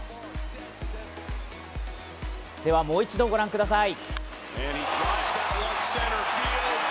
もう一度ご覧ください。